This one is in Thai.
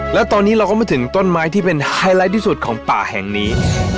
แล้วตอนนี้เราก็มาถึงต้นไม้ที่เป็นไฮไลท์ที่สุดของป่าแห่งนี้